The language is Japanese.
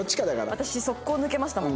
私即行抜けましたもん。